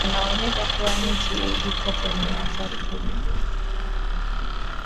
Vinaonyesha kuwa nchi iko kwenye hatari kubwa.